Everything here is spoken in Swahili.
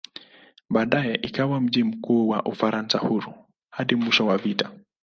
Baadaye ikawa mji mkuu wa "Ufaransa Huru" hadi mwisho wa vita.